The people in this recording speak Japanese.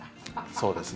そうですね。